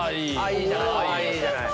いいじゃない！